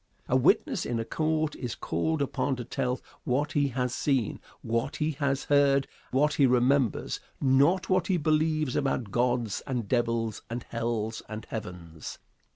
A witness in a court is called upon to tell what he has seen, what he has heard, what he remembers, not what he believes about gods and devils and hells and heavens.